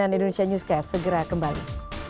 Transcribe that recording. cnn indonesia newscast segera kembali